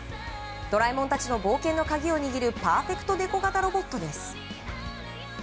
ドラえもんたちとの冒険の鍵を握るパーフェクトネコ型ロボットです。